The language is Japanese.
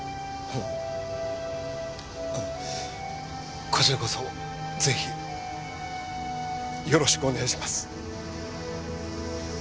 あこちらこそぜひよろしくお願いします。